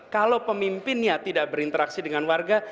kalau pemimpinnya tidak berinteraksi dengan warga